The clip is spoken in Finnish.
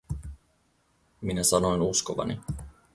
Minä sanoin uskovani.